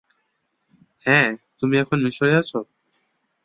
হ্যাঁ, তুমি এখন মিশরে আছো!